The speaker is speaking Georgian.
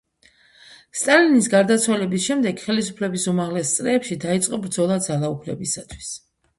სტალინის გარდაცვალების შემდეგ ხელისუფლების უმაღლეს წრეებში დაიწყო ბრძოლა ძალაუფლებისათვის.